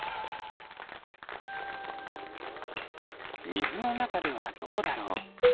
みずのなかではどうだろう？